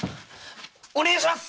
お願いします！